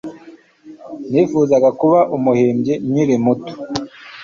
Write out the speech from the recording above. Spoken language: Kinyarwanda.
Nifuzaga kuba umuhimbyi nkiri muto.